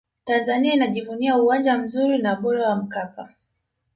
tanzania inajivunia uwanja mzuri na bora wa mkapa